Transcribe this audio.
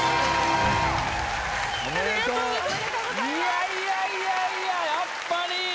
いやいやいやいややっぱり！